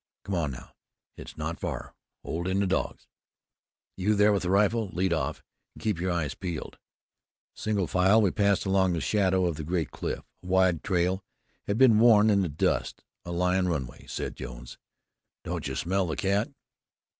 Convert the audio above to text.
Come on, now. It's not far. Hold in the dogs. You there with the rifle, lead off, and keep your eyes peeled." Single file, we passed along in the shadow of the great cliff. A wide trail had been worn in the dust. "A lion run way," said Jones. "Don't you smell the cat?"